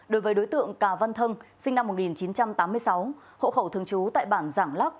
đối với đối tượng cà văn thân sinh năm một nghìn chín trăm tám mươi sáu hộ khẩu thường trú tại bản giảng lắc